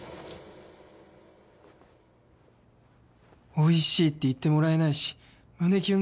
「おいしい」って言ってもらえないし胸キュン